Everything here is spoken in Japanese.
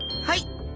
はい！